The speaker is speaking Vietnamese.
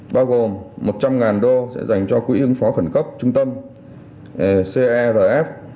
bao gồm một trăm linh usd sẽ dành cho quỹ hương phó khẩn cấp trung tâm cerf